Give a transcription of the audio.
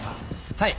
はい。